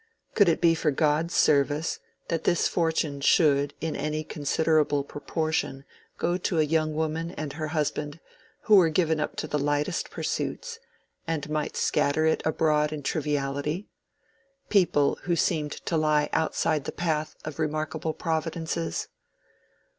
Could it be for God's service that this fortune should in any considerable proportion go to a young woman and her husband who were given up to the lightest pursuits, and might scatter it abroad in triviality—people who seemed to lie outside the path of remarkable providences?